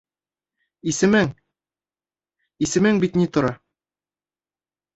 Йсемең, исемең бит ни тора!